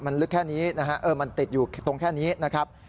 มันลึกแค่นี้นะฮะมันติดอยู่ตรงแค่นี้นะครับ